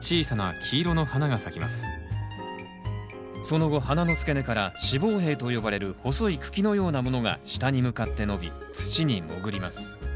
その後花の付け根から子房柄と呼ばれる細い茎のようなものが下に向かって伸び土に潜ります。